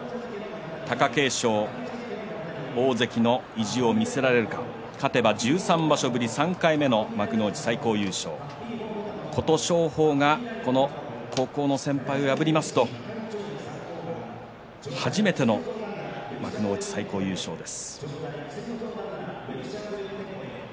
貴景勝、大関の意地を見せられるか勝てば１３場所で３回目の幕内最高優勝琴勝峰がこの高校の先輩を破りますと初めての幕内最高優勝です。